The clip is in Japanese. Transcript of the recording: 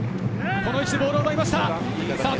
この位置でボールを奪いました。